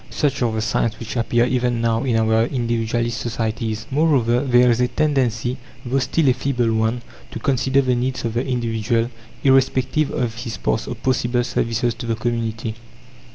Such are the signs which appear even now in our individualist societies. Moreover, there is a tendency, though still a feeble one, to consider the needs of the individual, irrespective of his past or possible services to the community.